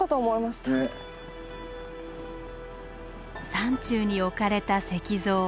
山中に置かれた石像。